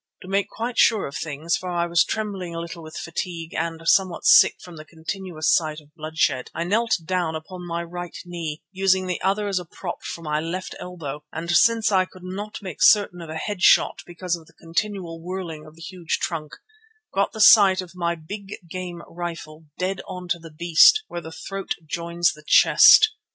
To make quite sure of things, for I was trembling a little with fatigue and somewhat sick from the continuous sight of bloodshed, I knelt down upon my right knee, using the other as a prop for my left elbow, and since I could not make certain of a head shot because of the continual whirling of the huge trunk, got the sight of my big game rifle dead on to the beast where the throat joins the chest.